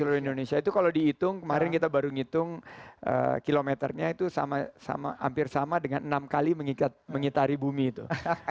seluruh indonesia itu kalau dihitung kemarin kita baru ngitung kilometernya itu hampir sama dengan enam kali mengitari bumi itu